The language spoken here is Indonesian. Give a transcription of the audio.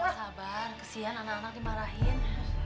sabar kesian anak anak dimarahin